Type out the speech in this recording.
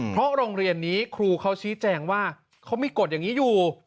เพราะโรงเรียนนี้ครูเขาชี้แจงว่าเขามีกฎอย่างนี้อยู่